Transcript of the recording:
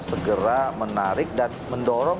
segera menarik dan mendorong